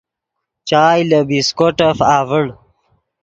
چائے لے بسکوٹف آڤڑ